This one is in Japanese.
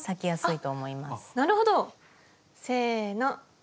なるほど！せの。